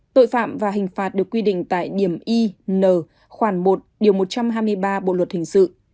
tội phạm và hình phạt được quy định tại điểm y n khoảng một điều một trăm hai mươi ba bộ luật hình sự